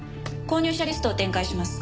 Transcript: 購入者リストを展開します。